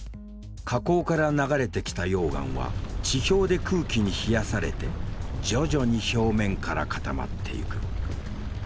火口から流れてきた溶岩は地表で空気に冷やされて徐々に表面から固まっていく。